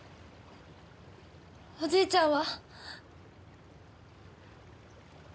おじいちゃんは？